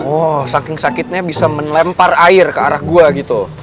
wah saking sakitnya bisa melempar air ke arah gua gitu